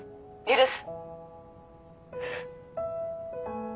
許す。